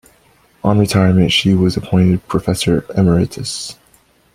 On retirement, she was appointed Professor Emeritus.